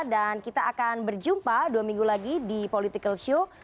dan kita akan berjumpa dua minggu lagi di political show